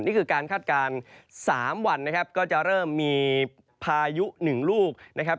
นี่คือการคาดการณ์๓วันนะครับก็จะเริ่มมีพายุหนึ่งลูกนะครับ